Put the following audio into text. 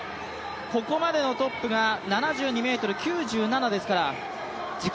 ここまでのトップが７２ｍ９７ですから自己